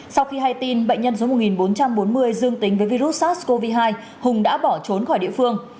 sau khi hay tin bệnh nhân số một nghìn bốn trăm bốn mươi dương tính với virus sars cov hai hùng đã bỏ trốn khỏi địa phương